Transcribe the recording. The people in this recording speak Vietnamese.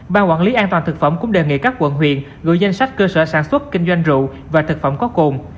ban quản lý an toàn thực phẩm cũng đề nghị các quận huyện gửi danh sách cơ sở sản xuất kinh doanh rượu và thực phẩm có cồn